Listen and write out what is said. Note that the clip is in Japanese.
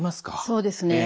そうですね。